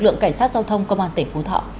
lượng cảnh sát giao thông công an tỉnh phú thọ